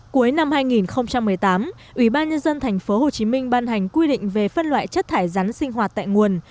cuối năm hai nghìn một mươi tám ủy ban nhân dân thành phố hồ chí minh ban hành quy định về phân loại chất thải rắn sinh hoạt tại nguồn